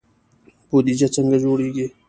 بودجه څنګه جوړیږي؟